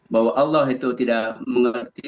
bahwa allah itu tidak mengerti